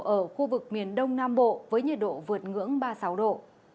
ở khu vực miền đông nam bộ với nhiệt độ vượt ngưỡng ba mươi sáu độ